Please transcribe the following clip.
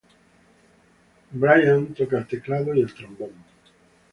Brian toca el teclado y el trombón.